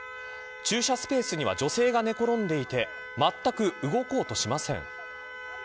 駐車スペースには女性が寝転んでいてまったく動こうとしません。